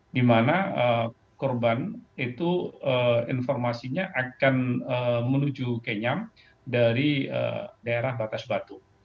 di mana korban itu informasinya akan menuju kenyam dari daerah batas batu